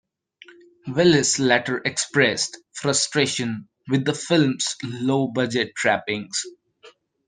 Welles later expressed frustration with the film's low budget trappings.